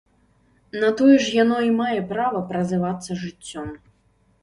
На тое ж яно і мае права празывацца жыццём.